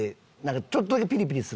ちょっとだけピリピリする。